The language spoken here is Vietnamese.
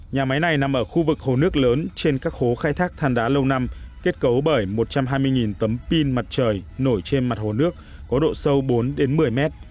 nhà máy này nằm ở khu vực hồ nước lớn trên các hố khai thác than đá lâu năm kết cấu bởi một trăm hai mươi tấm pin mặt trời nổi trên mặt hồ nước có độ sâu bốn đến một mươi mét